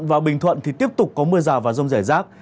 và bình thuận thì tiếp tục có mưa rào và rông rẻ rác